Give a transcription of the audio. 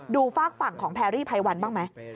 ฝากฝั่งของแพรรี่ไพวันบ้างไหม